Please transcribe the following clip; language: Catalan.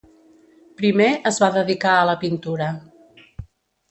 Primer es va dedicar a la pintura.